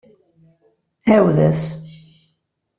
Ɛiwed-as.